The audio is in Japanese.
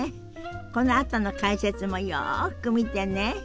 このあとの解説もよく見てね。